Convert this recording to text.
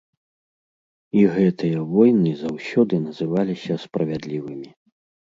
І гэтыя войны заўсёды называліся справядлівымі.